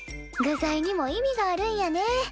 具材にも意味があるんやね。